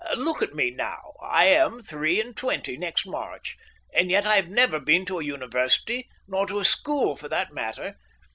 Look at me, now. I am three and twenty next March, and yet I have never been to a university, nor to a school for that matter.